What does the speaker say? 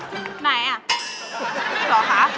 นี่หรือคะ